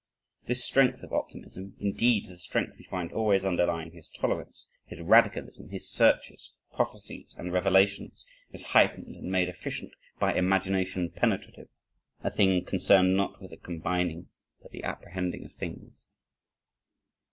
This strength of optimism, indeed the strength we find always underlying his tolerance, his radicalism, his searches, prophecies, and revelations, is heightened and made efficient by "imagination penetrative," a thing concerned not with the combining but the apprehending of things.